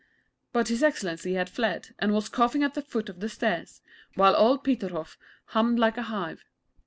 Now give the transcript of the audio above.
But His Excellency had fled, and was coughing at the foot of the stairs, while all Peterhoff hummed like a hive.